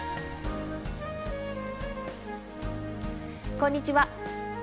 こんにちは。